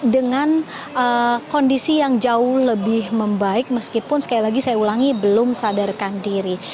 dengan kondisi yang jauh lebih membaik meskipun sekali lagi saya ulangi belum sadarkan diri